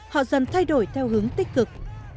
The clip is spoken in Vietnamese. họ dần thay đổi theo hướng tích cực